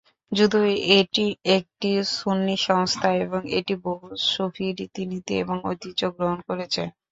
যদিও এটি একটি সুন্নি সংস্থা এবং এটি বহু সূফী রীতিনীতি এবং ঐতিহ্য গ্রহণ করেছে।